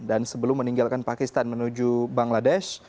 dan sebelum meninggalkan pakistan menuju bangladesh